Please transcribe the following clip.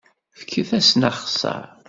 Fket-asen axeṣṣar.